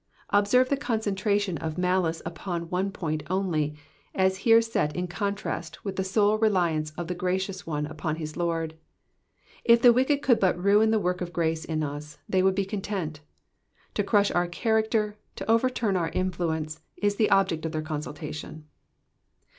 Observe the concentration of malice upon one point only^ as here get in contrast with the sole reliance of the gracious one upon his Lord. If the wicked could but niin the work of grace in us, they would be content ; to crush our character, to overturn our influence, is the object of their consultation.